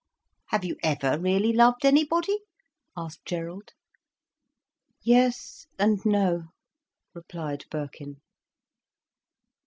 "Have you ever really loved anybody?" asked Gerald. "Yes and no," replied Birkin.